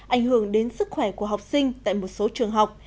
ảnh hưởng đến sức khỏe của học sinh tại một số trường học